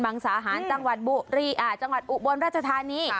งสาหารจังหวัดบุรีจังหวัดอุบลราชธานี